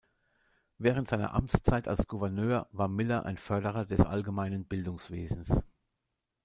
Während seiner Amtszeit als Gouverneur war Miller ein Förderer des allgemeinen Bildungswesens.